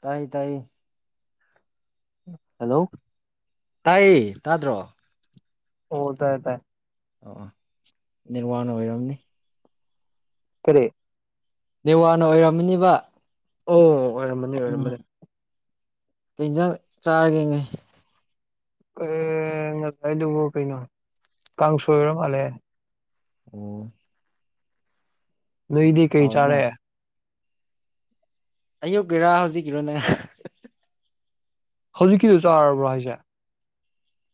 ꯇꯥꯏ ꯇꯥꯏꯌꯦ꯫ ꯍꯜꯂꯣ꯫ ꯇꯥꯏꯌꯦ ꯇꯥꯗ꯭ꯔꯣ꯫ ꯑꯣ ꯇꯔꯦ ꯇꯔꯦ꯫ ꯑꯣ ꯑꯣ ꯅ ꯋꯥꯡꯅ ꯑꯣꯏꯔꯝꯅꯤ꯫ ꯇꯔꯦ꯫ ꯅꯋꯥꯅ ꯑꯣꯏꯔꯝꯃꯤꯅꯤꯕ꯫ ꯑꯣ꯫ ꯑꯣꯏꯔꯝꯃꯅꯤ ꯎꯝ ꯑꯣꯏꯔꯝꯃꯅꯤ ꯀꯩ ꯏꯟꯖꯥꯡ ꯆꯥꯔꯒꯦ ꯉꯩ꯫ ꯎꯝ ꯀꯩꯅꯣ ꯀꯥꯡꯁꯣ ꯑꯣꯏꯔ ꯃꯥꯜꯂꯦ꯫ ꯑꯣ꯫ ꯅꯣꯏꯗꯤ ꯀꯩ ꯍꯥꯎꯋꯤꯅ ꯆꯥꯔꯦ꯫ ꯑꯌꯨꯛꯀꯤꯔꯥ ꯍꯧꯖꯤꯛꯀꯤꯔꯣꯅꯦ꯫ ꯍꯧꯖꯤꯛꯀꯤꯗꯨ ꯆꯥꯔꯕ꯭ꯔꯣ ꯍꯥꯏꯁꯦ꯫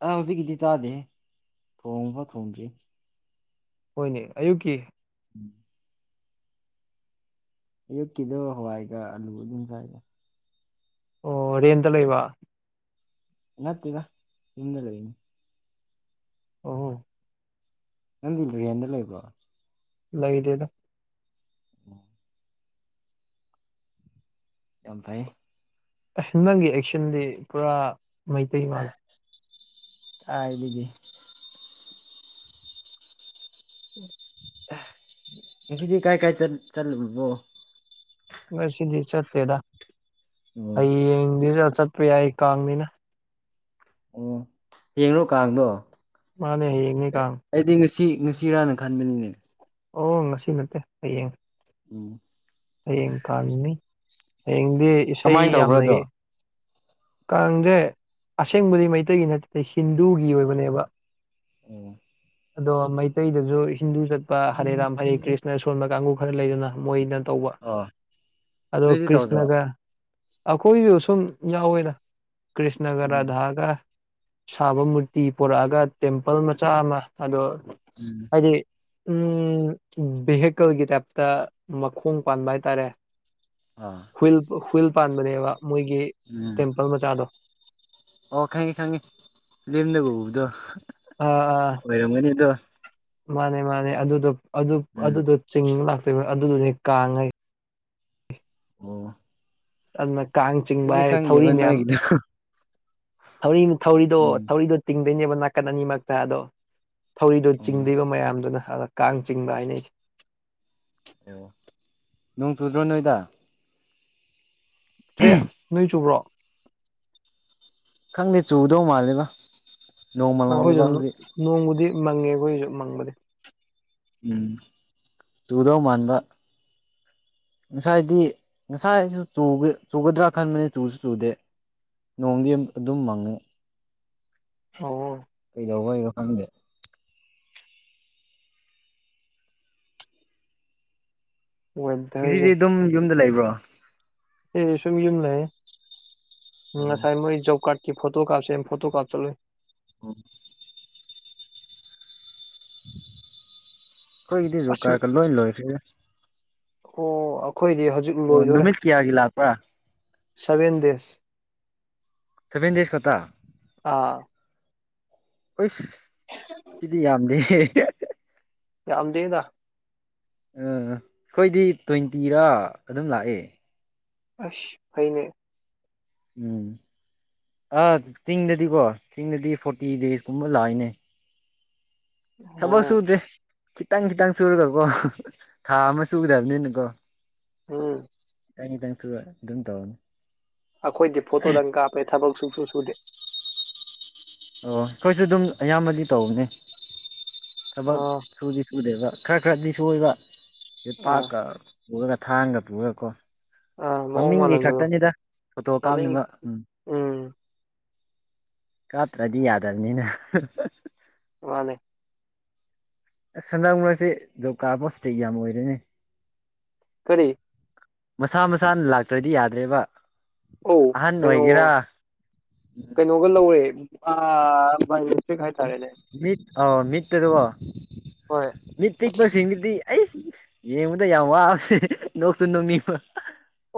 ꯑ ꯍꯧꯖꯤꯛꯀꯤꯗꯤ ꯆꯥꯗꯦ ꯊꯣꯡꯉꯕ ꯊꯣꯡꯗ꯭ꯔꯤ꯫ ꯍꯣꯏꯅꯦ ꯑꯌꯨꯛꯀꯤ꯫ ꯎꯝ꯫ ꯑꯌꯨꯛꯀꯤꯗꯣ ꯍꯋꯥꯏꯒ ꯑꯂꯨ ꯑꯗꯨꯝ ꯆꯥꯏꯗ꯫ ꯑꯣ ꯔꯦꯟꯗ ꯂꯩꯕ꯫ ꯅꯠꯇꯗ ꯍꯌꯣꯝꯗ ꯂꯩꯕꯅꯤ꯫ ꯑꯣ ꯍꯣ꯫ ꯅꯪꯕꯣ ꯔꯦꯟꯗ ꯂꯩꯏꯕꯔꯣ꯫ ꯂꯩꯗꯦꯗ꯫ ꯎꯝ꯫ ꯌꯝ ꯐꯩ꯫ ꯑ ꯅꯪꯒꯤ ꯑꯦꯛꯁꯟꯗꯤ ꯄꯨꯔꯥ ꯃꯩꯇꯩ ꯃꯥꯜꯂꯦ꯫ ꯀꯥꯏꯗꯒꯤ ꯑꯦ ꯉꯁꯤꯗꯤ ꯀꯥꯏ ꯀꯥꯏ ꯆꯠ ꯆꯠꯂꯨꯕꯅꯣ ꯉꯁꯤꯗꯤ ꯆꯠꯇꯦꯗ ꯑꯣ ꯍꯌꯦꯡꯗꯤ ꯆꯠꯄ ꯌꯥꯏ ꯀꯥꯡꯅꯤꯅ ꯑꯣ ꯍꯌꯦꯡꯔꯣ ꯀꯥꯡꯗꯣ ꯃꯥꯅꯦ ꯍꯥꯏꯌꯦꯡꯅꯦ ꯀꯥꯡ ꯑꯩꯗꯤ ꯉꯁꯤ ꯉꯁꯤꯔꯥꯅ ꯈꯟꯕꯅꯤꯅꯦ ꯑꯣ ꯉꯁꯤ ꯅꯠꯇꯦ ꯍꯌꯦꯡ꯫ ꯎꯝ꯫ ꯍꯌꯦꯡ ꯀꯥꯟꯅꯤ ꯍꯌꯦꯡꯗꯤ ꯏꯁꯩ ꯀꯃꯥꯏꯟ ꯌꯥꯝ ꯇꯧꯕ꯭ꯔꯥ ꯂꯩ꯫ ꯑꯗꯣ ꯀꯥꯡꯁꯦ ꯑꯁꯦꯡꯕꯗꯤ ꯃꯩꯇꯩꯒꯤ ꯅꯠꯇꯦ ꯍꯤꯟꯗꯨꯒꯤ ꯑꯣꯏꯕꯅꯦꯕ꯫ ꯑꯣ꯫ ꯑꯗꯣ ꯃꯩꯇꯩꯗꯁꯨ ꯍꯤꯟꯗꯨ ꯆꯠꯄ ꯍꯔꯦ ꯔꯥꯝ ꯍꯔꯦ ꯀ꯭ꯔꯤꯁꯅ ꯁꯣꯟꯕ ꯀꯥꯡꯕꯨ ꯈꯔ ꯂꯩꯗꯅ ꯃꯣꯏꯅ꯫ ꯇꯧꯕ ꯑꯣ ꯑꯗꯣ ꯅꯣꯏꯗꯤ ꯇꯧꯗ꯭ꯔꯣ ꯀ꯭ꯔꯤꯁꯅꯒ꯫ ꯑꯩꯈꯣꯏꯁꯨ ꯁꯨꯝ ꯌꯥꯎꯋꯦꯗ ꯀ꯭ꯔꯤꯁꯅꯒ ꯎꯝ ꯔꯥꯙꯥꯒ ꯁꯥꯕ ꯃꯨꯔꯇꯤ ꯄꯔꯛꯑꯒ ꯇꯦꯝꯄꯜ ꯃꯆꯥ ꯑꯃ ꯑꯗꯣ ꯎꯝ ꯍꯥꯏꯗꯤ ꯎꯝ ꯚꯦꯍꯦꯀꯜꯒꯤ ꯇꯥꯏꯞꯇ ꯃꯈꯣꯡ ꯄꯥꯟꯕ ꯍꯥꯏꯇꯥꯔꯦ ꯑꯥ ꯍꯨꯏꯜ ꯍꯨꯏꯜ ꯄꯥꯟꯕꯅꯦꯕ ꯃꯣꯏꯒꯤ ꯎꯝ ꯇꯦꯝꯄꯜ ꯃꯆꯥꯗꯣ ꯑꯣ ꯈꯪꯉꯦ ꯈꯪꯉꯦ ꯂꯦꯝꯅ ꯎꯕꯗꯣ ꯑꯥ ꯑꯥ ꯑꯣꯏꯔꯝꯒꯅꯤꯗ ꯃꯥꯅꯦ ꯃꯥꯅꯦ ꯑꯗꯨꯗꯣ ꯑꯗꯨ ꯎꯝ ꯑꯗꯨꯗꯣ ꯆꯤꯡ ꯂꯥꯛꯇꯣꯏꯕ ꯑꯗꯨꯗꯣꯅꯦ ꯀꯥꯡ ꯍꯥꯏꯖ ꯑꯣ ꯑꯗꯨꯅ ꯀꯥꯡ ꯆꯤꯡꯕ ꯑꯩꯗꯤ ꯍꯥꯏ ꯊꯧꯔꯤ ꯈꯪꯗꯦꯕ ꯃꯌꯥꯝ ꯅꯣꯏꯒꯤꯗꯣ ꯊꯧꯔꯤ ꯊꯧꯔꯤꯗꯣ ꯎꯝ ꯊꯧꯔꯤꯗꯣ ꯇꯤꯡꯗꯣꯏꯅꯦꯕ ꯅꯥꯀꯟ ꯑꯅꯤꯃꯛꯇ ꯑꯗꯣ ꯊꯧꯔꯤꯗꯣ ꯑꯣ ꯆꯤꯡꯗꯣꯏꯕ ꯃꯌꯥꯝꯗꯨꯅ ꯑꯗ ꯀꯥꯡ ꯆꯤꯡꯕ ꯍꯥꯏꯅꯁꯦ ꯑꯣ ꯅꯣꯡ ꯆꯨꯗ꯭ꯔꯣ ꯅꯣꯏꯗ ꯆꯨꯏꯌꯦ ꯅꯣꯏ ꯆꯨꯕ꯭ꯔꯣ ꯈꯪꯗꯦ ꯆꯨꯗꯧ ꯃꯥꯜꯂꯦꯗ ꯑꯣ ꯑꯩꯈꯣꯏꯁꯨ ꯅꯣꯡꯕꯨꯗꯤ ꯃꯪꯉꯦ ꯑꯩꯈꯣꯏꯒꯤꯁꯨ ꯃꯪꯕꯗꯤ ꯎꯝ ꯇꯨꯗꯧ ꯃꯥꯟꯕ ꯉꯁꯥꯏꯗꯤ ꯉꯁꯥꯏꯁꯨ ꯆꯨꯒꯗ꯭ꯔꯥ ꯈꯟꯕꯅꯤ ꯆꯨꯁꯨ ꯆꯨꯗꯦ ꯅꯣꯡꯗꯤ ꯑꯗꯨꯝ ꯃꯪꯉꯦ ꯑꯣ ꯀꯩꯗꯧꯕꯩꯅꯣ ꯈꯪꯗꯦ ꯉꯁꯤꯗꯤ ꯋꯦꯗꯔꯁꯦ ꯑꯗꯨꯝ ꯌꯨꯝꯗ ꯂꯩꯕ꯭ꯔꯣ ꯑꯩꯗꯤ ꯁꯨꯝ ꯌꯨꯝ ꯂꯩ ꯉꯁꯥꯏ ꯃꯣꯏ ꯖꯣꯕ ꯀꯥꯔꯗꯀꯤ ꯐꯣꯇꯣ ꯀꯥꯞꯁꯦ ꯐꯣꯇꯣ ꯀꯥꯞ ꯆꯠꯂꯨꯏ ꯎꯝ ꯑꯩꯈꯣꯏꯒꯤꯗꯤ ꯖꯣꯞ ꯑꯁ ꯀꯥꯔꯀ ꯂꯣꯏ ꯂꯣꯏꯈ꯭ꯔꯦ ꯑꯣ ꯑꯩꯈꯣꯏꯗꯤ ꯍꯧꯖꯤꯛ ꯑꯣ ꯂꯣꯏꯗꯣꯔꯦ ꯅꯨꯃꯤꯠ ꯀꯌꯥꯒꯤ ꯂꯥꯛꯄ꯭ꯔꯥ ꯁꯚꯦꯟ ꯗꯦꯁ ꯁꯦꯚꯦꯟ ꯗꯦꯁꯖ ꯈꯇꯥ ꯑꯥ ꯏꯁ ꯁꯤꯗꯤ ꯌꯥꯝꯗꯦ ꯌꯥꯝ ꯗꯦꯗꯥ ꯑꯩꯈꯣꯗꯤ ꯇ꯭ꯋꯦꯟꯇꯤꯔꯥ ꯑꯗꯨꯝ ꯂꯥꯛꯑꯦ ꯑꯁ ꯐꯩꯅꯦ ꯎꯝ ꯑꯥ ꯆꯤꯡꯗꯗꯤꯀꯣ ꯆꯤꯡꯗꯗꯤ ꯐꯣꯔꯇꯤ ꯗꯦꯖꯀꯨꯝꯕ ꯂꯥꯛꯏꯅꯦ ꯊꯕꯛ ꯑꯣ ꯁꯨꯗꯦ ꯈꯤꯇꯪ ꯈꯤꯇꯪ ꯁꯨꯔꯒꯀꯣ ꯊꯥ ꯑꯃ ꯁꯨꯒꯗꯕꯅꯤꯅꯀꯣ ꯎꯝ ꯇꯪ ꯇꯪꯁꯨ ꯑꯗꯨꯝ ꯇꯣꯅꯤ ꯑꯩꯈꯣꯏꯗꯤ ꯐꯣꯇꯣꯗꯪ ꯀꯥꯞꯄꯦ ꯊꯕꯛ ꯁꯨꯁꯨ ꯁꯨꯗꯦ ꯑꯣ ꯑꯩꯈꯣꯏꯁꯨ ꯑꯗꯨꯝ ꯑꯌꯥꯝꯕꯗꯤ ꯇꯧꯅꯦ ꯊꯕꯛ ꯑꯥ ꯁꯨꯗꯤ ꯁꯨꯗꯦꯕ ꯈꯔ ꯈꯔꯗꯤ ꯁꯣꯏꯕ ꯁꯤ ꯑꯥ ꯄꯥꯛꯀ ꯄꯨꯔꯒ ꯊꯥꯡꯒ ꯄꯨꯔꯒꯀꯣ ꯑꯥ ꯃꯑꯣꯡ ꯃꯃꯤꯡꯒꯤ ꯃꯥꯜꯍꯟꯕꯗꯣ ꯈꯛꯇꯅꯤꯗ ꯐꯣꯇꯣ ꯃꯃꯤꯡ ꯀꯥꯞꯅꯕ ꯎꯝ ꯎꯝ ꯀꯞꯇ꯭ꯔꯗꯤ ꯌꯥꯗꯕꯅꯤꯅ ꯃꯥꯅꯦ ꯑꯁ ꯍꯟꯗꯛ ꯃꯔꯛꯁꯦ ꯖꯣꯕ ꯀꯥꯔꯛ ꯄꯣ ꯏꯁꯇꯦꯛ ꯌꯥꯝ ꯑꯣꯏꯔꯦ ꯀꯔꯤ ꯃꯁꯥ ꯃꯁꯥꯅ ꯂꯥꯛꯇ꯭ꯔꯗꯤ ꯌꯥꯗ꯭ꯔꯦꯕ ꯑꯧ ꯑꯍꯟ ꯀꯩꯅꯣ ꯑꯣꯏꯒꯦꯔꯥ ꯀꯩꯅꯣꯒ ꯂꯧꯔꯦ ꯑꯥ ꯍꯥꯏꯇꯥꯔꯦꯅꯦ ꯃꯤ ꯑ ꯃꯤꯇꯩ ꯇꯗ ꯋꯥ ꯍꯣꯏ ꯃꯤꯇꯩ ꯇꯦꯛꯄ ꯁꯤꯒꯗꯤ ꯑꯩꯁ ꯌꯦꯡꯕꯗ ꯌꯥꯝ ꯋꯥꯕꯁꯦ ꯅꯣꯛꯁꯨ ꯅꯣꯡꯅꯤꯡꯕ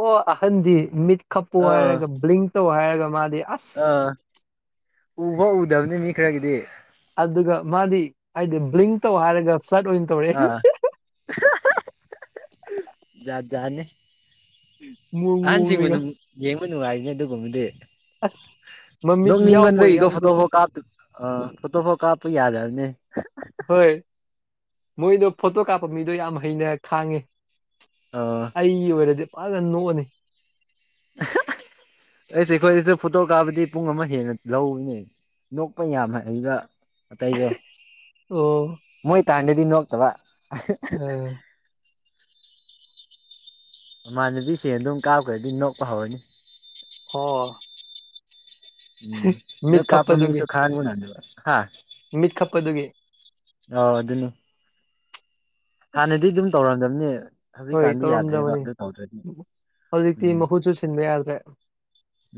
ꯑꯣ ꯑꯍꯟꯗꯤ ꯃꯤꯠ ꯈꯞꯄꯨ ꯑꯥ ꯍꯥꯏꯔꯒ ꯕ꯭ꯂꯤꯡ ꯇꯧ ꯍꯥꯏꯔꯒ ꯃꯥꯗꯤ ꯑꯁ ꯑꯥ ꯎꯐꯥꯎ ꯎꯗꯕꯅꯤ ꯃꯤ ꯈꯔꯒꯤꯗꯤ ꯑꯗꯨꯒ ꯃꯥꯗꯤ ꯍꯥꯏꯗꯤ ꯕ꯭ꯂꯤꯡ ꯇꯧ ꯍꯥꯏꯔꯒ ꯁꯠ ꯑꯣꯏꯅ ꯑ ꯇꯧꯔꯛꯑꯦ ꯌꯥ ꯌꯥꯅꯤ ꯃꯑꯣꯡ ꯑꯍꯟꯁꯤꯡꯕ ꯃꯑꯣꯡꯅꯤꯀꯣ ꯌꯦꯡꯕ ꯅꯨꯡꯉꯥꯏꯔꯤꯅꯦ ꯑꯗꯨꯒꯨꯝꯕꯗꯤ ꯑꯁ ꯃꯃꯤꯠ ꯌꯥꯎꯕꯣꯏ ꯅꯣꯛꯅꯤꯡꯃꯟꯕꯒꯤꯀꯣ ꯐꯇꯣ ꯌꯥꯎꯗꯕꯣꯏ ꯐꯥꯎ ꯀꯥꯞꯕ ꯑ ꯐꯣꯇꯣ ꯐꯥꯎ ꯀꯥꯞꯄ ꯌꯥꯗꯕꯅꯦ ꯍꯣꯏ ꯃꯣꯏꯗꯣ ꯐꯣꯇꯣ ꯀꯥꯞꯄ ꯃꯤꯗꯣ ꯌꯥꯝ ꯍꯩꯅ ꯈꯥꯡꯉꯤ ꯑꯥ ꯑꯩ ꯑꯣꯏꯔꯗꯤ ꯐꯖꯅ ꯅꯣꯛꯑꯅꯤ [inaudible] ꯑꯁ ꯑꯩꯈꯣꯏꯁꯤꯗ ꯐꯣꯇꯣ ꯀꯥꯞꯕꯗꯤ ꯄꯨꯡ ꯑꯃ ꯍꯦꯟꯅ ꯂꯧꯒꯅꯤ ꯅꯣꯛꯄ ꯌꯥꯝ ꯍꯩꯕ ꯑꯇꯩꯗꯣ ꯑꯣ ꯃꯣꯏ ꯇꯥꯥꯟꯗꯦꯗꯤ ꯅꯣꯛꯇꯕ ꯎꯝ ꯏꯃꯥꯟꯅꯕꯤꯁꯤꯡ ꯑꯗꯨꯝ ꯀꯥꯞꯈ꯭ꯔꯗꯤ ꯅꯣꯛꯄ ꯍꯧꯔꯅꯤ ꯍꯣ ꯎꯝ ꯃꯤꯠ ꯑꯗꯨ ꯀꯄ ꯈꯞꯄꯗꯨꯒꯤ ꯃꯤꯁ ꯈꯥꯕ ꯅꯗꯕ ꯍꯥ ꯃꯤꯠ ꯈꯞꯄꯗꯨꯗꯒꯤ ꯑꯣ ꯑꯗꯨꯅꯤ ꯍꯥꯟꯅꯗꯤ ꯑꯗꯨꯝ ꯇꯧꯔꯝꯗꯕꯅꯦ ꯍꯣꯏ ꯍꯧꯖꯤꯛꯀꯥꯟꯗꯤ ꯌꯥꯗ꯭ꯔꯦꯕ ꯇꯧꯔꯝꯗꯕꯅꯤ ꯑꯗꯨ ꯇꯧꯗ꯭ꯔꯗꯤ ꯍꯧꯖꯤꯛꯇꯤ ꯎꯝ ꯃꯍꯨꯠꯁꯨ ꯁꯤꯟꯕ ꯌꯥꯗ꯭ꯔꯦ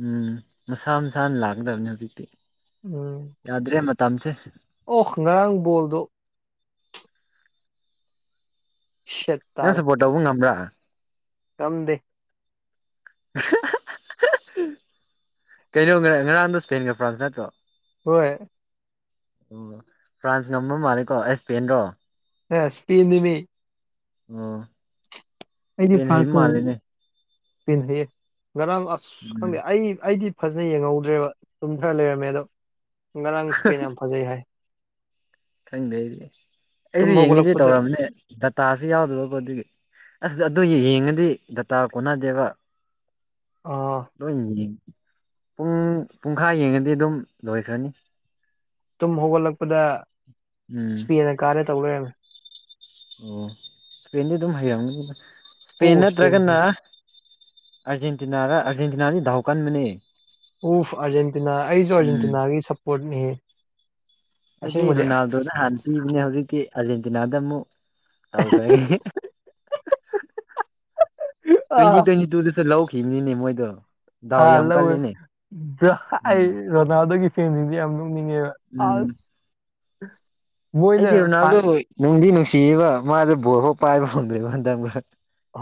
ꯎꯝ ꯃꯁꯥ ꯃꯁꯥꯅ ꯂꯥꯛꯀꯗꯕꯅꯦ ꯍꯧꯖꯤꯛꯇꯤ ꯎꯝ ꯌꯥꯗ꯭ꯔꯦ ꯃꯇꯥꯝꯁꯦ ꯑꯣ ꯉꯔꯡ ꯕꯥꯜꯂꯗꯣ ꯁꯦꯠ ꯅꯪ ꯇꯥꯔꯦ ꯁꯨꯞꯄꯣꯔꯠ꯭ ꯇꯧꯕꯥ ꯉꯝꯕ꯭ꯔꯥ ꯉꯝꯗꯦ [inaudible] ꯀꯩꯅꯣ ꯉꫪꯥꯡꯗꯣ ꯏꯁꯄꯟꯒ ꯐ꯭ꯔꯥꯟꯁꯀꯥ ꯅꯠꯇꫪꯣ ꯍꯣꯏ ꯑꯣ ꯐ꯭ꯔꯥꯟꯁ ꯉꯝꯕ ꯃꯥꯜꯂꯦꯀꯣ ꯑꯩ ꯏꯁꯄꯦꯟꯗꯣ ꯑꯦ ꯏꯁꯄꯤꯅꯤꯃꯤ ꯎꯝ ꯑꯩꯗꯤ ꯐ꯭ꯔꯥꯟꯁ ꯀꯤ ꯇꯤꯝꯁꯦ ꯉꯔꯥꯡ ꯑꯁ ꯎꯝ ꯈꯪꯗꯦ ꯑꯩ ꯑꯩꯗꯤ ꯐꯖꯅ ꯌꯦꯡꯍꯧꯗ꯭ꯔꯦꯕ ꯇꯨꯝꯊꯔ ꯂꯩꯔꯝꯃꯦ ꯑꯗꯣ ꯉꯔꯥꯡ ꯏꯁ꯭ꯄꯦꯟ ꯌꯥꯝ ꯐꯖꯩ ꯍꯥꯏ ꯈꯪꯗꯦ ꯑꯩꯗꯤ ꯇꯨꯝ ꯑꯩꯁꯨ ꯌꯦꯡꯉꯤꯗꯤ ꯍꯧꯒꯠꯂꯛꯄꯗ ꯇꯧꯔꯑꯝꯅꯦ ꯗꯇꯥꯁꯤ ꯌꯥꯎꯗꯕꯀꯣ ꯑꯗꯨꯒꯤ ꯑꯁ ꯑꯗꯨ ꯌꯦꯡꯉꯗꯤ ꯗꯇꯥ ꯀꯣꯟꯅꯗꯦꯕ ꯑꯥ [unintelligible] ꯄꯨꯡ ꯄꯨꯡꯈꯥꯏ ꯌꯦꯡꯉꯗꯤ ꯑꯗꯨꯝ ꯂꯣꯏꯈ꯭ꯔꯅꯤ ꯇꯨꯝ ꯍꯧꯒꯠꯂꯛꯄꯗ ꯎꯝ ꯏꯁ꯭ꯄꯦꯟꯅ ꯀꯥꯔꯦ ꯇꯧ ꯂꯩꯔꯝꯃꯦ ꯑꯣ ꯏꯁꯄꯦꯟꯗꯤ ꯑꯗꯨꯝ ꯍꯩꯔꯝꯅꯤ ꯑꯣ ꯏꯁꯄꯦꯟ ꯍꯩ ꯅꯠꯇ꯭ꯔꯒꯅ ꯑꯔꯖꯦꯟꯇꯤꯅ ꯔ ꯑꯔꯖꯦꯟꯇꯤꯅꯅꯤ ꯙꯥꯎꯀꯥꯟ ꯃꯅꯦ ꯑꯣꯐ ꯑꯥꯔꯖꯦꯟꯇꯤꯅꯥ ꯑꯩꯁꯨ ꯎꯝ ꯑꯥꯔꯖꯦꯟꯇꯤꯅꯥꯒꯤ ꯁꯞꯄꯣꯔꯠꯅꯤ ꯑꯩꯗꯤ ꯔꯣꯅꯥꯜꯗꯣꯅ ꯍꯥꯟꯅ ꯄꯤꯕꯅꯦ ꯍꯧꯖꯤꯛꯇꯤ ꯑꯥꯔꯖꯦꯟꯇꯤꯅꯥꯗ ꯑꯃꯨꯛ ꯍꯧꯈ꯭ꯔꯒꯦ ꯇ꯭ꯋꯦꯟꯇꯤ ꯑꯥ ꯇ꯭ꯋꯦꯟꯇꯤ ꯇꯨꯗꯨꯁꯨ ꯂꯧꯈꯤꯕꯅꯤꯅꯦ ꯃꯣꯏꯗꯣ ꯗꯥꯎ ꯍꯥꯥ ꯌꯥꯝ ꯂꯧꯏ ꯀꯜꯂꯤꯅꯦ ꯎꯝ UNINTELLIGIBLE ꯔꯣꯅꯥꯜꯗꯣꯒꯤ ꯐꯦꯟꯁꯤꯡꯁꯦ ꯌꯥꯝ ꯅꯣꯛꯅꯤꯡꯉꯦꯕ ꯎꯝ ꯑꯁ ꯃꯣꯏꯅ ꯑꯩꯗꯤ ꯐꯥ ꯔꯣꯅꯥꯜꯗꯣ ꯅꯨꯡꯗꯤ ꯅꯨꯡꯁꯤꯕ ꯃꯥꯗ ꯕꯣꯜ ꯐꯧ ꯄꯥꯏꯕ ꯐꯪꯗꯣꯏꯕ ꯍꯟꯗꯛ ꯃꯔꯛ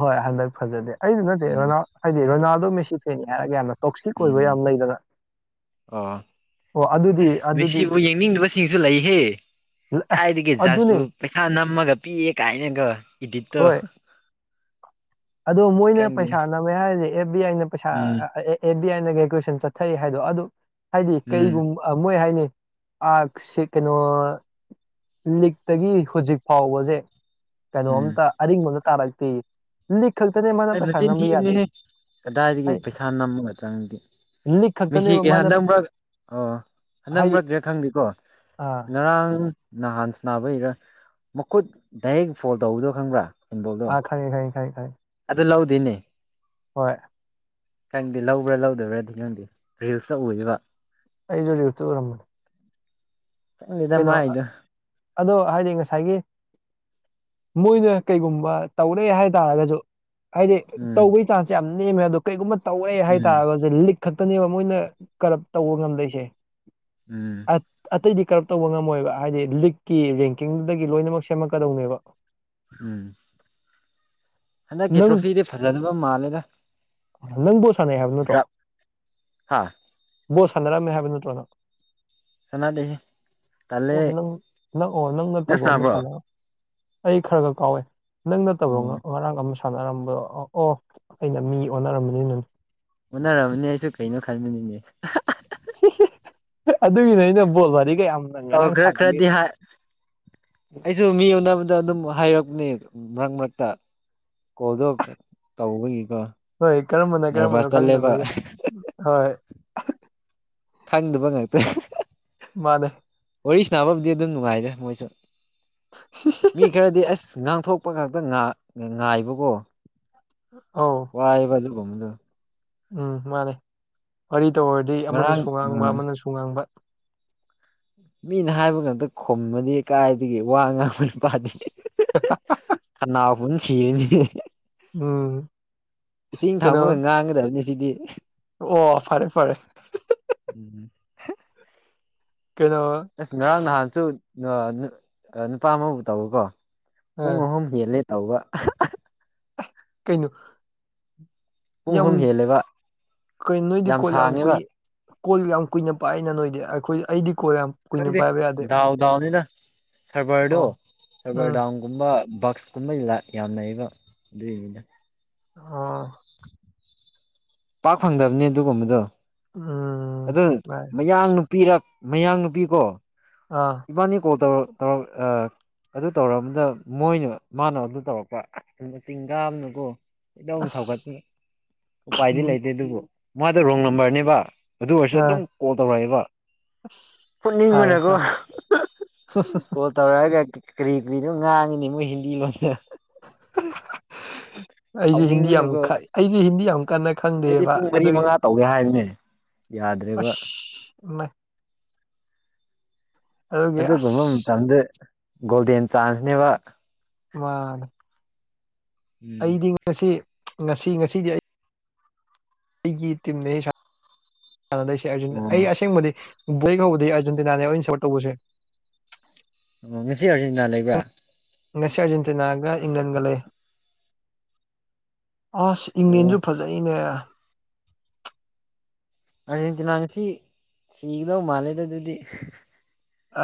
ꯍꯣꯏ ꯍꯟꯗꯛ ꯐꯖꯗꯦ ꯑꯩꯗꯨ ꯅꯠꯇꯦ ꯎꯝ ꯔꯣꯅꯥꯜ ꯍꯥꯏꯗꯤ ꯔꯣꯅꯥꯜꯗꯣ ꯃꯦꯁꯤ ꯐꯦꯅꯤ ꯍꯥꯏꯔꯒꯅ ꯑꫭꯏꯕ ꯎꯝ ꯌꯥꯝ ꯂꯩꯗꯅ ꯑꯣ ꯑꯣ ꯑꯗꯨꯗꯤ ꯑꯁ ꯑꯗꯨꯗꯤ ꯃꯦꯁꯤꯕꯨ ꯌꯦꯡꯅꯤꯡꯗꯕꯁꯤꯡꯁꯨ ꯂꯩꯍꯦ ꯑꯦ ꯀꯥꯏꯗꯒꯤ ꯑꯗꯨꯅꯤ ꯖꯥꯖꯄꯨ ꯄꯩꯁꯥ ꯅꯝꯃꯒ ꯄꯤꯑꯦ ꯀꯥꯏꯅꯒꯣ ꯏꯗꯤꯠꯇꯣ ꯍꯣꯏ ꯑꯗꯣ ꯃꯣꯏꯅ ꯈꯪꯗꯦꯅꯦ ꯄꯩꯁꯥ ꯅꯝꯃꯦ ꯍꯥꯏꯔꯤꯁꯦ ꯑꯦꯐ ꯕꯤ ꯑꯥꯏꯅ ꯄꯩꯁꯥ ꯎꯝ ꯑꯦꯐ ꯕꯤ ꯑꯥꯏꯗ [unintelligible] ꯆꯠꯊꯔꯤ ꯍꯥꯏꯗꯣ ꯑꯗꯨ ꯍꯥꯏꯗꯤ ꯎꯝ ꯀꯩꯒꯨꯝꯕ ꯃꯣꯏ ꯍꯥꯏꯅꯤ ꯑ ꯁꯤ ꯀꯩꯅꯣ ꯂꯤꯛꯇꯒꯤ ꯍꯧꯖꯤꯛ ꯐꯥꯎꯕꯁꯦ ꯎꯝ ꯀꯩꯅꯣꯝꯇ ꯑꯔꯤꯡꯕ ꯑꯃ ꯇꯥꯔꯛꯇꯦꯌꯦ ꯂꯤꯛ ꯈꯛꯇꯅꯦ ꯃꯥꯅ ꯑꯩ ꯄꯥꯩꯁꯥ ꯃꯆꯤꯟ ꯅꯝꯕ ꯊꯤꯕꯅꯦꯍꯦ ꯌꯥꯗꯩꯁꯤ ꯀꯗꯥꯏꯗꯒꯤ ꯄꯩꯁꯥ ꯅꯝꯃꯒ ꯆꯪꯗꯤ ꯂꯤꯛ ꯈꯛꯇꯅꯦꯕ ꯃꯤꯁꯤꯒꯤ ꯃꯥꯅ ꯍꯟꯗꯛ ꯃꯔꯛ ꯑꯣ ꯍꯟꯗꯛ ꯍꯥꯏꯗꯤ ꯃꯔꯛꯇ ꯈꯪꯗꯦꯀꯣ ꯑꯥ ꯉꯔꯥꯡ ꯅꯍꯥꯟ ꯁꯥꯟꯅꯕꯩꯔ ꯃꯈꯨꯠ ꯗꯥꯏꯔꯦꯛ ꯐꯣꯜ ꯇꯧꯕꯗꯣ ꯈꯪꯕ꯭ꯔ ꯑ ꯈꯪꯉꯦ ꯈꯪꯉꯦ ꯈꯪꯉꯦ ꯈꯪꯉꯦ ꯑꯗꯨ ꯂꯧꯗꯦꯅꯦ ꯍꯣꯏ ꯈꯪꯗꯦ ꯂꯧꯕ꯭ꯔ ꯂꯧꯗꯕ꯭ꯔꯗꯤ ꯈꯪꯗꯦ ꯔꯤꯜꯁꯇ ꯎꯏꯕ ꯑꯩꯖꯨ ꯔꯤꯜꯁꯇ ꯎꯔꯝꯃꯤ ꯈꯪꯗꯦꯗ ꯀꯩꯅꯣ ꯃꯥꯏꯗꯣ ꯑꯗꯣ ꯍꯥꯏꯗꯤ ꯉꯁꯥꯏꯒꯤ ꯃꯣꯏꯅ ꯀꯩꯒꯨꯝꯕ ꯇꯧꯔꯦ ꯍꯥꯏꯇꯥꯔꯒꯁꯨ ꯍꯥꯏꯗꯤ ꯎꯝ ꯇꯧꯕꯒꯤ ꯆꯥꯟꯁ ꯌꯥꯝ ꯅꯦꯝꯃꯦ ꯑꯗꯨ ꯀꯩꯒꯨꯝꯕ ꯇꯧꯔꯦ ꯎꯝ ꯍꯥꯏꯇꯥꯥꯔꯒꯁꯨ ꯂꯤꯛ ꯈꯛꯇꯅꯦꯕ ꯃꯣꯏꯅ ꯀꯔꯞ ꯇꯧꯕ ꯉꯝꯂꯛꯁꯦ ꯎꯝ ꯑꯇꯩꯗꯤ ꯀꯔꯞ ꯇꯧꯕ ꯉꯝꯃꯣꯏꯕ ꯍꯥꯏꯗꯤ ꯂꯤꯛꯀꯤ ꯔꯦꯡꯀꯤꯡꯗꯨꯗꯒꯤ ꯂꯣꯏꯅꯃꯛ ꯁꯦꯝꯃꯛꯀꯗꯧꯅꯦꯕ ꯎꯝ ꯍꯟꯗꯛꯀꯤ ꯅꯪ ꯇ꯭ꯔꯣꯐꯤꯗꯤ ꯐꯖꯗꯕ ꯃꯥꯜꯂꯦꯗ ꯅꯪ ꯕꫭꯜ ꯁꯥꯟꯅꯩ ꯍꯥꯏꯕ ꯅꯠꯇ꯭ꯔꯣ ꯗ꯭ꯔꯞ ꯍꯥ ꯕꯣ ꯁꯥꯟꯅꯔꯝꯃꯦ ꯍꯥꯏꯕ ꯅꯠꯇ꯭ꯔꯣꯅ ꯁꯥꯟꯅꯗꯦꯍꯦ ꯑꯣ ꯇꯜꯂꯦ ꯅꯪ ꯅꯪ ꯑꯣ ꯅꯪ ꯅꯠꯇꯕ ꯑꯃ ꯁꯥꯟꯅ ꯑꯩ ꯈꯔ ꯈꯔ ꯀꯥꯎꯋꯦ ꯅꯪ ꯅꯠꯇꯕ꯭ꯔꫭ ꯎꯝ ꯉꯔꯥꯡ ꯑꯃ ꯁꯥꯟꯅꯔꯝꯕꯗꯣ ꯑꯣ ꯑꯩꯅ ꯃꯤ ꯑꯣꯟꯅꯔꯝꯕꯅꯤꯅꯦ ꯑꫭꯟꯅꯔꯝꯃꯅꯤ ꯑꯩꯁꯨ ꯀꯩꯅꯣ ꯈꯟꯕꯅꯤꯅꯦ ꯑꯗꯨꯒꯤꯅꯦ ꯑꯩꯅ ꯕꯣꯜ ꯋꯥꯔꯤꯒ ꯌꯥꯝ ꯑꯧ ꯈꯔ ꯈꯔꯗꯤ ꯍꯥꯏ ꯑꯩꯁꯨ ꯃꯤ ꯎꯅꯕ ꯑꯗꯨꯗ ꯑꯗꯨꯝ ꯍꯥꯏꯔꯛꯄꯅꯦ ꯃꯔꯛ ꯃꯔꯛꯇ ꯀꯣꯜꯗꫭ ꯇꯧꯕꯒꯤꯀꯣ ꯍꯣꯏ ꯀꯔꯝꯕꯅ ꯀꯔꯝꯕꯅꯣ ꯅꯔꯚꯁ ꯆꯠꯂꯦꯕ ꯈꯪꯗꯕꯒꯦ ꯍꯣꯏ ꯈꯪꯗꯕ ꯉꯛꯇ ꯃꯥꯅꯦ ꯋꯥꯔꯤꯁ ꯅꯕꯕꯨꯗꯤ ꯑꯗꯨꯝ ꯅꯨꯡꯉꯥꯏꯔ꯭ꯔꯦ ꯃꯣꯏꯁꯨ ꯃꯤ ꯈꯔꯗꯤ ꯑꯁ ꯉꯥꯡꯊꯣꯛ ꯀꯛꯄ ꯈꯛꯇ ꯉꯥꯏꯕꯀꯣ ꯑꯣ ꯋꯥꯏꯕ ꯑꯗꯨꯒꯨꯝꯕꯗꯣ ꯎꯝ ꯃꯥꯅꯦ ꯋꯥꯔꯤ ꯇꯧꯔꯗꯤ ꯉꯔꯥꯡ ꯑꯃꯅꯁꯨ ꯉꯥꯡꯕ ꯑꯥ ꯑꯃꯅꯁꯨ ꯉꯥꯡꯕ ꯃꯤꯅ ꯍꯥꯏꯕ ꯉꯥꯛꯇ ꯈꯨꯝꯃꯅꯤ ꯀꯥꯏꯗꯒꯤ ꯋꯥ ꯉꯥꯡꯕꯅꯣ ꯄꯗꯤ ꯑꯅꯥ ꯄꯨꯟ ꯁꯤꯔꯅꯤ ꯎꯝ ꯏꯁꯤꯡ ꯀꯩꯅꯣ ꯊꯥꯡꯃꯒ ꯉꯥꯡꯒꯗꯕꯅꯤ ꯁꯤꯗꯤ ꯑꯣ ꯐꯔꯦ ꯐꯔꯦ ꯎꯝ ꯀꯩꯅꯣ ꯑꯁ ꯉꯔꯥꯡ ꯅꯍꯥꯟꯁꯨ ꯅꯨꯄꯥ ꯑꯃꯕꯨ ꯇꯧꯋꯀꯣ ꯑ ꯄꯨꯡ ꯑꯍꯨꯝ ꯌꯦꯂꯦ ꯇꯧꯕ ꯀꯩꯅꯣ ꯄꯨꯡ ꯑꯍꯨꯝ ꯌꯥꯝ ꯍꯦꯜꯂꯦꯕ ꯀ ꯅꯣꯏꯗꯤ ꯀꯣꯂ ꯌꯥꯝ ꯀꯨꯏ ꯀꯣꯜ ꯌꯥꯝ ꯀꯨꯏꯅ ꯄꯥꯛꯏꯅ ꯅꯣꯏꯗꯤ ꯑꯩꯈꯣꯏ ꯑꯩꯗꯤ ꯀꯣꯜ ꯌꯥꯝ ꯀꯨꯏꯅ ꯈꯪꯗꯦ ꯄꯥꯏꯕ ꯌꯥꯗꯦ ꯗꯥꯎ ꯗꯥꯎꯅꯤꯅ ꯁꯔꯚꯔꯗꯣ ꯑꯣ ꯁꯔꯚꯔ ꯎꯝ ꯗꯥꯎꯟ ꯀꯨꯝꯕ ꯕꯛꯁ ꯀꯨꯝꯕ ꯌꯥꯝ ꯂꯩꯩꯕ ꯑꯗꯨꯏꯅꯤꯅ ꯑꯥ ꯄꯥꯛ ꯐꯪꯗꯕꯅꯦ ꯑꯗꯨꯒꯨꯝꯕꯗꯣ ꯎꯝ ꯑꯗꯨ ꯃꯌꯥꯡ ꯅꯨꯄꯤꯔꯛ ꯃꯌꯥꯡ ꯅꯨꯄꯤꯀꯣ ꯑꯥ ꯏꯕꯥꯅꯤ ꯀꯣꯜ ꯇꯧꯔ ꯑꯗꯨ ꯇꯧꯔꯝꯕꯗ ꯃꯣꯏꯅ ꯃꯥꯅ ꯑꯗꯨ ꯇꯧꯔꯛꯄ ꯃꯇꯤꯡ ꯀꯥꯕꯅꯨꯀꯣ ꯏꯗꯧ ꯁꯧꯒꯠꯄꯤ ꯎꯄꯥꯏꯗꯤ ꯂꯩꯇꯦ ꯑꯗꯨꯕꯨ ꯃꯥꯗ ꯔꯣꯡ ꯅꯝꯕꯔꯅꯦꯕ ꯑꯗꯨ ꯑꯣꯏꯔꯁꯨ ꯑꯥ ꯑꯗꯨꯝ ꯀꯣꯜ ꯇꯧꯔꯛꯑꯦꯕ ꯐꯔꯦ ꯐꯨꯅꯤꯡꯕꯅꯀꯣ ꯐꯔꯦ ꯀꯣꯜ ꯇꯧꯔꯛꯑꯒ ꯀꯔꯤ ꯀꯔꯤꯅꯣ ꯉꯥꯡꯉꯤꯅꯦ ꯃꯣꯏ ꯍꯤꯟꯗꯤ ꯂꯣꯟꯗ ꯑꯩꯁꯨ ꯍꯤꯟꯗꯤ ꯁꯥꯎꯅꯤꯡꯕꯅꯀꯣ ꯑꯃꯛ ꯑꯁ ꯑꯩꯁꯨ ꯍꯤꯟꯗꯤ ꯌꯥꯝ ꯀꯟꯅ ꯑꯩꯗꯤ ꯈꯪꯗꯦꯕ ꯄꯨꯡ ꯃꯔꯤ ꯑꯗꯨꯏ ꯃꯉꯥ ꯇꯧꯒꯦ ꯍꯥꯏꯕꯅꯦ ꯌꯥꯗ꯭ꯔꯦꯕ ꯑꯁ ꯑꯗꯨꯒꯤ ꯑꯗꯨꯒꯨꯝꯕ ꯑꯁ ꯃꯇꯝꯗ ꯒꯣꯜꯗꯦꯟ ꯆꯥꯟꯁꯅꯦꯕ ꯃꯥꯅꯦ ꯎꯝ ꯑꯩꯗꯤ ꯉꯁꯤ ꯉꯁꯤ ꯉꯁꯤꯗꯤ ꯑꯩ ꯑꯩꯒꯤ ꯇꯤꯝꯅꯦ ꯁꯥꯟꯅꯗꯣꯏꯁꯦ ꯑꯩ ꯑꯣ ꯑꯁꯦꯡꯕꯗꯤ ꯕꯣꯏ ꯀꯧꯕꯗꯨꯅꯤ ꯑꯔꯖꯦꯟꯇꯤꯅꯥꯅꯦꯕꯥ ꯑꯩꯅꯥ ꯁꯣꯔꯠ ꯇꯧꯕꯁꯦ ꯉꯁꯤ ꯑꯥꯔꯖꯦꯟꯇꯤꯅꯥ ꯂꯩꯕ꯭ꯔꯥ ꯉꯁꯤ ꯑꯥꯔꯖꯦꯟꯇꯤꯅꯥꯒ ꯏꯪꯂꯦꯟꯒ ꯂꯩ ꯑꯁ ꯑꯣ ꯏꯪꯂꯦꯟꯁꯨ ꯐꯖ ꯖꯩꯅꯦ ꯑꯥꯔꯖꯦꯟꯇꯤꯅꯥ ꯉꯁꯤ ꯁꯤꯒꯗꯧ ꯃꯥꯜꯂꯦ ꯑꯗꯨ ꯑꯗꯨꯗꯤ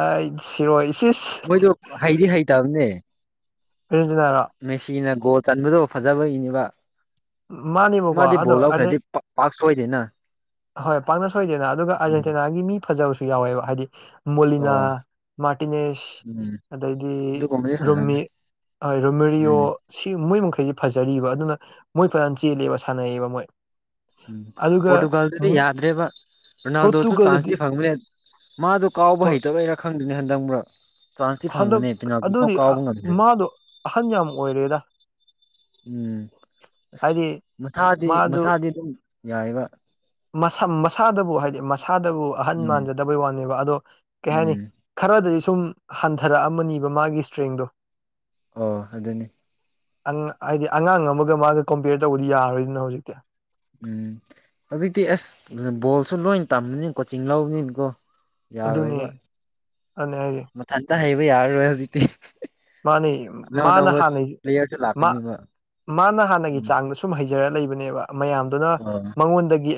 ꯑꯩꯠ ꯖꯤꯔꯣ ꯏꯁ ꯏꯁ ꯃꯣꯏꯗꯣ ꯍꯩꯗꯤ ꯍꯩꯇꯕꯅꯦ ꯑꯥꯔꯖꯦꯟꯇꯤꯅꯔꯣ ꯃꯦꯁꯤꯅ ꯒꯣꯜ ꯆꯟꯕꯗꯣ ꯐꯖꯕ ꯏꯅꯦꯕ ꯃꯥꯅꯦꯕꯀꯣ ꯃꯥꯗꯤ ꯑꯗꯣ ꯕꯣꯜ ꯂꯥꯎ ꯈꯔ꯭ꯗꯤ ꯄꯥꯛ ꯁꯣꯏꯗꯦꯅ ꯍꯣꯏ ꯄꯥꯛꯅ ꯁꯣꯏꯗꯦꯅ ꯑꯗꯨꯒ ꯎꯝ ꯑꯥꯔꯖꯦꯟꯇꯤꯅꯥꯒꯤ ꯃꯤ ꯐꯖꯕꯁꯨ ꯌꯥꯎꯋꯦꯕ ꯍꯥꯏꯗꯤ ꯃꯣꯂꯤꯅꯥ ꯑꯣ ꯃꯥꯔꯇꯤꯅꯦꯁ ꯎꯝ ꯑꯗꯩꯗꯤ ꯑꯗꯨꯒꯨꯝꯕꯗꯤ ꯐꯖꯅꯤ ꯔꯨꯝꯃꯤ ꯔꯨꯝꯃꯤꯔꯤꯌꯣ ꯎꯝ ꯁꯤ ꯃꯣꯏ ꯃꯈꯩꯁꯤ ꯐꯖꯔꯤꯕ ꯑꯗꯨꯅ ꯃꯣꯏ ꯐꯩꯅꯝ ꯆꯦꯜꯂꯤꯕ ꯁꯥꯟꯅꯩꯌꯦꯕ ꯃꯣꯏ ꯎꯝ ꯑꯗꯨꯒ ꯄꯣꯔꯇꯨꯒꯜꯗꯗꯤ ꯌꯥꯗꯔꯦꯕ ꯔꯣꯅꯥꯜꯗꯣꯁꯨ ꯄꯣꯔꯇꯨꯒꯜꯗꯗꯤ ꯆꯥꯟꯁꯗꯤ ꯐꯪꯕꯅꯦ ꯃꯥꯗꯣ ꯀꯥꯎꯕ ꯍꯣꯏ ꯍꯩꯇꯕꯩꯔꯥ ꯈꯪꯗꯦꯅꯦ ꯍꯟꯗꯪ ꯃꯔꯛ ꯆꯥꯟꯁꯇꯤ ꯍꯟꯗꯛ ꯐꯪꯕꯅꯦ ꯄꯦꯅꯥꯜꯇꯤ ꯐꯥꯎ ꯑꯗꯨꯗꯤ ꯀꯥꯎꯕ ꯉꯝꯗ꯭ꯔꯦ ꯃꯥꯗꯣ ꯑꯍꯟ ꯌꯥꯝ ꯑꯣꯏꯔꯦꯗ ꯎꯝ ꯑꯁ ꯍꯥꯏꯗꯤ ꯃꯊꯥꯗꯤ ꯃꯥꯁꯨ ꯃꯁꯥꯗꯤ ꯑꯗꯨꯝ ꯌꯥꯏꯌꯦꯕ ꯃꯁꯥꯗꯕꯨ ꯍꯥꯏꯗꯤ ꯃꯁꯥꯗꯕꯨ ꯑꯍꯟ ꯎꯝ ꯃꯥꯟꯖꯗꯕꯩ ꯋꯥꯅꯦꯕ ꯑꯗꯣ ꯀꯩ ꯍꯥꯏꯅꯤ ꯎꯝ ꯈꯔꯗꯤ ꯁꯨꯝ ꯍꯟꯊꯔꯛꯑꯃꯅꯤꯕ ꯃꯥꯒꯤ ꯏꯁꯇ꯭ꯔꯦꯡꯗꯣ ꯑꯣ ꯑꯗꯨꯅꯤ ꯍꯥꯏꯗꯤ ꯑꯉꯥꯡ ꯑꯃꯒ ꯃꯥꯒ ꯀꯣꯝꯄꯤꯌꯔ ꯇꯧꯕꯗꯤ ꯌꯥꯔꯣꯏꯗꯅ ꯍꯧꯖꯤꯛꯇꯤ ꯎꯝ ꯍꯧꯖꯤꯛꯇꯤ ꯑꯁ ꯕꯣꯜꯁꯨ ꯂꯣꯏ ꯇꯝꯕꯅꯤ ꯀꯣꯆꯤꯡ ꯂꯧꯕꯅꯤꯅꯀꯣ ꯑꯗꯨꯅꯤ ꯌꯥꯔꯣꯏꯕ ꯑꯗꯨꯅꯦ ꯍꯥꯏꯁꯦ ꯃꯊꯟꯇ ꯍꯩꯕ ꯌꯥꯔꯔꯣꯏ ꯍꯧꯖꯤꯛꯇꯤ ꯃꯥꯅꯤ ꯑꯅꯧ ꯃꯥꯅ ꯑꯅꯧꯕ ꯍꯥꯟꯅ ꯄ꯭ꯂꯦꯌꯔꯁꯨ ꯃꯥ ꯂꯥꯛꯀꯅꯤꯕ ꯃꯥꯅ ꯍꯥꯟꯅꯒꯤ ꯎꯝ ꯆꯥꯡꯗꯁꯨ ꯁꯨꯝ ꯍꯩꯖꯔ ꯂꯩꯕꯅꯦꯕ ꯃꯌꯥꯝꯗꯨꯅ ꯑꯣ ꯃꯉꯣꯟꯗꯒꯤ